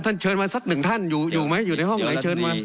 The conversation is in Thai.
เชิญมาสักหนึ่งท่านอยู่อยู่ไหมอยู่ในห้องไหนเชิญมา